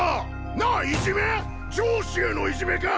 なあいじめ⁉上司へのいじめか！